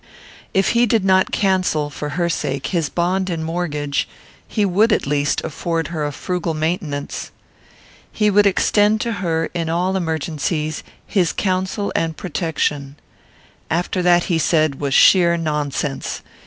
If he did not cancel, for her sake, his bond and mortgage, he would, at least, afford her a frugal maintenance. He would extend to her, in all emergencies, his counsel and protection. All that, he said, was sheer nonsense.